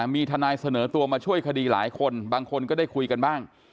มีทนายเสนอตัวมาช่วยคดีหลายคนบางคนก็ได้คุยกันบ้าง